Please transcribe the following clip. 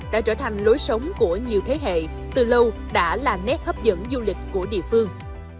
đã trở thành lối sống của nhiều thế hệ từ lâu đã là nét hấp dẫn du lịch của địa phương